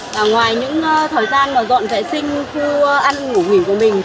và ngoài những thời gian mà dọn vệ sinh khu ăn ngủ nghỉ của mình